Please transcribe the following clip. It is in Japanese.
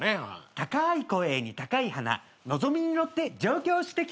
「高い声に高い鼻のぞみに乗って上京してきた」